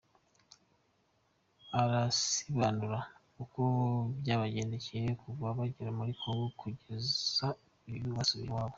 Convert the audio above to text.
Arasibanura uko byabagendekeye kuva bagera kuri Congo kugeza uyu basubiye iwabo.